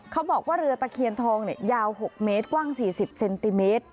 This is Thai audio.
เขาบอกว่าเรือตะเคียนทองยาว๖เมตรกว้าง๔๐เซนติเมตร